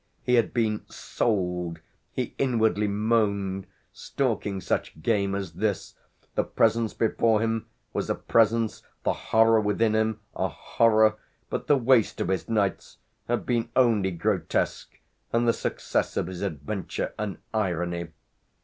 He had been "sold," he inwardly moaned, stalking such game as this: the presence before him was a presence, the horror within him a horror, but the waste of his nights had been only grotesque and the success of his adventure an irony.